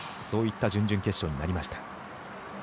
そういった準々決勝になりました。